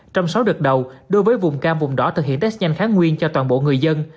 trong sáu đợt đầu đối với vùng cam vùng đỏ thực hiện test nhanh kháng nguyên cho toàn bộ người dân